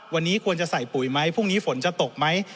วันนี้ควรจะใส่ปุ๋ยไหมพรุ่งนี้ฝนจะตกไหม